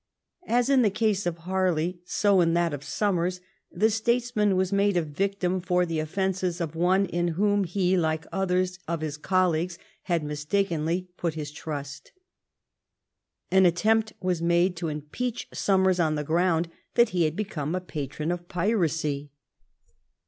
As in the case of Harley, so in that of Somers, the states man was made a victim for the offences of one in whom he, like others of his colleagues, had mistakenly put his trust. An attempt was made to impeach Somers on the ground that he had become a patron of piracy.